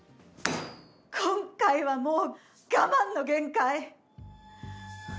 今回はもう我慢の限界！